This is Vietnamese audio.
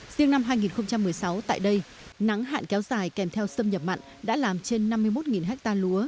riêng năm hai nghìn một mươi sáu tại đây nắng hạn kéo dài kèm theo sâm nhập mặn đã làm trên năm mươi một ha lúa